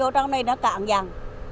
vô trong đây nó cạn dần